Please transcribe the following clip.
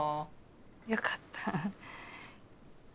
よかった。